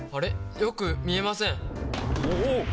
よく見えません。